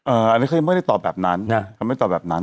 อันนี้คือไม่ได้ตอบแบบนั้น